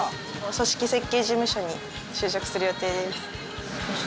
組織設計事務所に就職する予定です。